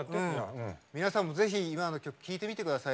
皆さんもぜひ、今の曲聴いてみてください。